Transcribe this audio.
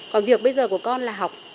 còn việc bây giờ của con là học